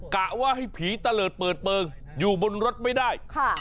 กะว่าให้ผีตะเลิศเปิดเปลืองอยู่บนรถไม่ได้